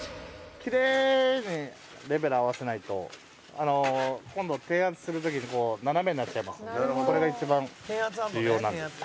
キレイにレベル合わせないと今度転圧する時に斜めになっちゃいますんでこれが一番重要なんです。